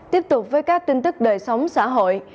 tiếp tục với các tin tức đời sống xã hội